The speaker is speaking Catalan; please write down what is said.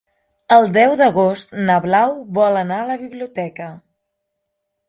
El deu d'agost na Blau vol anar a la biblioteca.